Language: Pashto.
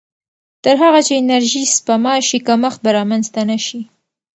تر هغه چې انرژي سپما شي، کمښت به رامنځته نه شي.